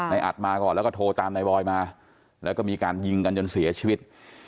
อัดมาก่อนแล้วก็โทรตามในบอยมาแล้วก็มีการยิงกันจนเสียชีวิต